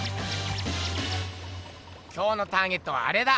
今日のターゲットはアレだ。